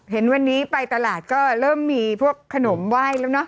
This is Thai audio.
เห็นวันนี้ไปตลาดก็เริ่มมีพวกขนมไหว้แล้วเนอะ